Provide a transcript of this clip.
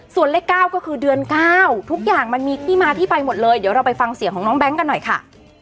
ส่วนเลข๙ก็คือเดือน๙ทุกอย่างมันมีที่มาที่ไปหมดเลยเดี๋ยวเราไปฟังเสียงของน้องแบงค์กันหน่อยค่ะ